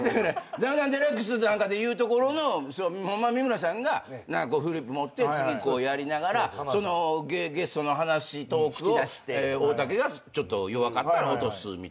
『ダウンタウンＤＸ』なんかでいうところの三村さんがフリップ持ってやりながらそのゲストの話トークを大竹がちょっと弱かったら落とすみたいな。